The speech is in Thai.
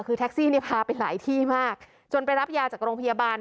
คือแท็กซี่เนี่ยพาไปหลายที่มากจนไปรับยาจากโรงพยาบาล